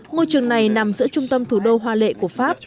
ngôi trường này nằm giữa trung tâm thủ đô hoa lệ của pháp